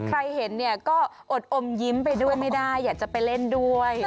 ใครเห็นเนี่ยก็อดอมยิ้มไปด้วยไม่ได้อยากจะไปเล่นด้วย